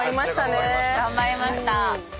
頑張りました。